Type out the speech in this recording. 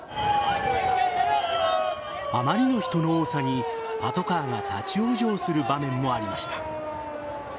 あまりの人の多さにパトカーが立ち往生する場面もありました。